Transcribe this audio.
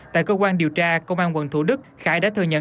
tại cơ quan điều tra công an quận thủ đức khải đã thừa nhận